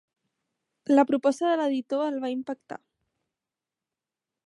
La proposta de l'editor el va impactar.